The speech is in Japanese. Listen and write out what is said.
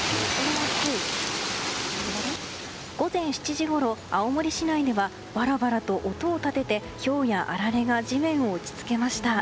午前７時ごろ、青森市内ではバラバラと音を立ててひょうやあられが地面を打ち付けました。